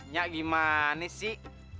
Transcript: nyiak gimana sih